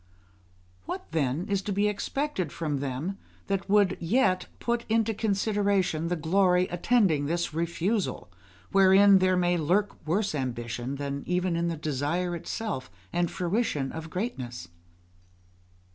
What, then, is to be expected from them that would yet put into consideration the glory attending this refusal, wherein there may lurk worse ambition than even in the desire itself, and fruition of greatness?